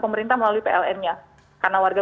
pemerintah melalui pln nya karena warga